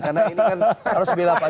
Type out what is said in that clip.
karena ini kan harus belapak